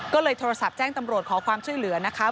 ก็เลยโทรศัพท์แจ้งตำรวจขอความช่วยเหลือนะคะ